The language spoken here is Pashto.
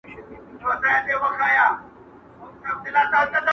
o چي تېر سوه، هغه هېر سوه!